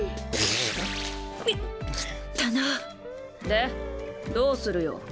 でどうするよ？